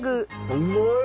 うまい。